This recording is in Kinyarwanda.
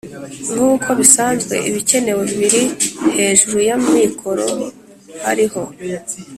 nk'uko bisanzwe, ibikenewe biri hejuru y'amikoro ariho,